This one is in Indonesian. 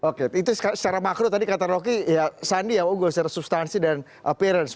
oke itu secara makro tadi kata rocky sandi yang ugol secara substansi dan appearance